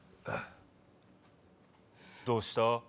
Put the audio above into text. どうした？